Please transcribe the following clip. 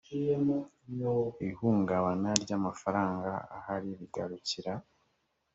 ihungabana ry amafaranga ahari rigarukira